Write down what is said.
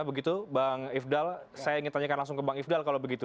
begitu bang ifdal saya ingin tanyakan langsung ke bang ifdal kalau begitu